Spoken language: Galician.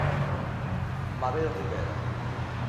Mabel Rivera.